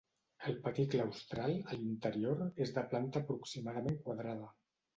El pati claustral, a l'interior, és de planta aproximadament quadrada.